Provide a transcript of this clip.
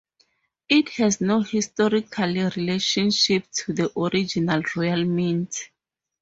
It has no historical relationship to the original Royal Mint.